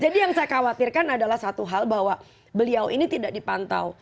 jadi yang saya khawatirkan adalah satu hal bahwa beliau ini tidak dipantau